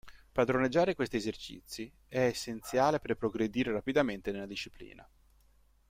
Padroneggiare questi esercizi è essenziale per progredire rapidamente nella disciplina.